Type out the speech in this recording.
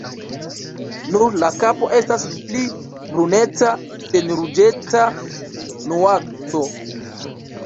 Nur la kapo estas pli bruneca sen ruĝeca nuanco.